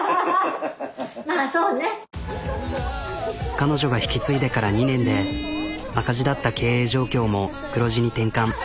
彼女が引き継いでから２年で赤字だった経営状況も黒字に転換。